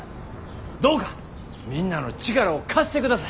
どうかみんなの力を貸してください。